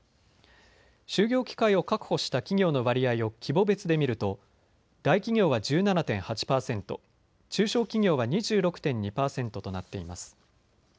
就業機会を確保した企業の割合を規模別で見ると大企業は１７．８％、中小企業は２６．２％となっています。